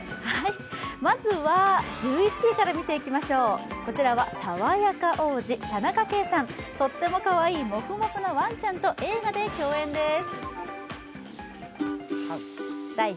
まずは、１１位から見ていきましょうこちらは爽やか王子、田中圭さん、とってもかわいいもふもふのワンちゃんと映画で共演です。